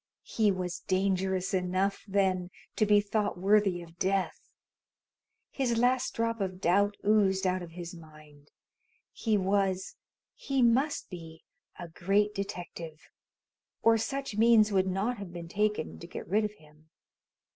He was dangerous enough, then, to be thought worthy of death? His last drop of doubt oozed out of his mind. He was he must be a great detective, or such means would not have been taken to get rid of him.